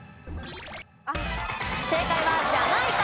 正解はジャマイカ。